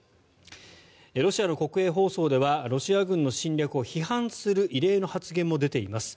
ロシアの国営放送ではロシア軍の侵略を批判する異例の発言も出ています。